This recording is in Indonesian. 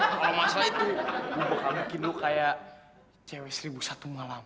kalau masalah itu gue bakal bikin lo kayak cewek seribu satu malam